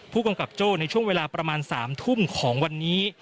ผู้กำกับโจ้ในช่วงเวลาประมาณ๓ทุ่มของวันนี้